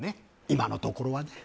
今のところはね